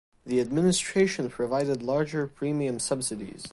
The administration provided larger premium subsidies.